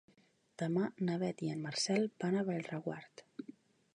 Demà na Beth i en Marcel van a Bellreguard.